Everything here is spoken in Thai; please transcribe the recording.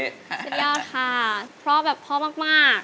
สิทธิาวค่ะพ่อแบบพ่อมาก